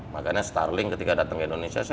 makanya starlink ketika datang ke indonesia saya